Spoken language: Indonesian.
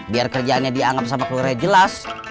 biar kerjaannya dianggap sama keluarganya jelas